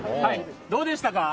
どうでしたか？